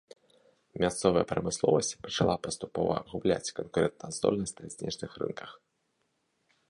Мясцовая прамысловасць пачала паступова губляць канкурэнтаздольнасць на знешніх рынках.